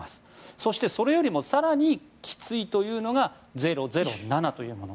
そしてそれよりも更にきついというのが００７というもの。